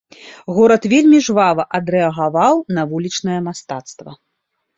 Горад вельмі жвава адрэагаваў на вулічнае мастацтва.